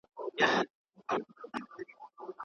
دا تنظیم ډېرو خلکو ته ستونزه نه جوړوي.